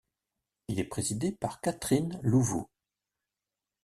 Il est présidé par Catherine Louveau.